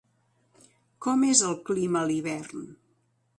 Com és el clima a l'hivern?